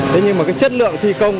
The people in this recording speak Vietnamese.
thế nhưng mà cái chất lượng thi công